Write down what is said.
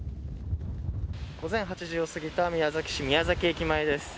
午前８時を過ぎた宮崎市宮崎駅前です。